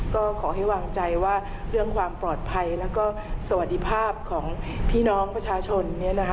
ก็ขอให้วางใจว่าเรื่องความปลอดภัยแล้วก็สวัสดีภาพของพี่น้องประชาชนเนี่ยนะคะ